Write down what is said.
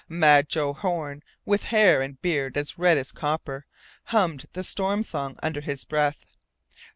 "Mad" Joe Horn, with hair and beard as red as copper, hummed the Storm Song under his breath.